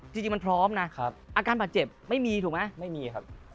จริงมันพร้อมนะอาการบาดเจ็บไม่มีถูกไหมไม่มีครับ